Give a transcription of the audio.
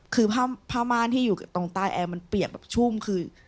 คือผ้าม่านที่อยู่ตรงใต้แอร์มันเปียกแบบชุ่มคือ